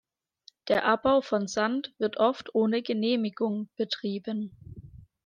Der Abbau von Sand wird oft ohne Genehmigung betrieben.